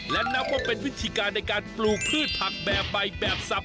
และนับว่าเป็นวิธีการในการปลูกพืชผักแบบใบแบบสับ